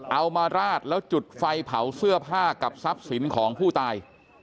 มาราดแล้วจุดไฟเผาเสื้อผ้ากับทรัพย์สินของผู้ตาย